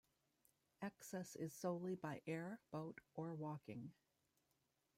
Access is solely by air, boat or walking.